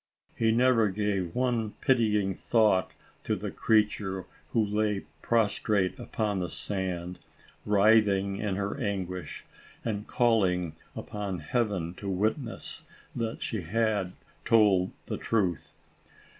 He never gave one pitying thought to the creature, who lay prostrate upon the sand, writhing in her anguish, and calling upon Heaven to witness, that she had told the truth.